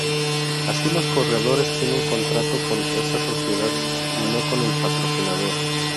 Así los corredores tienen contrato con esa sociedad y no con el patrocinador.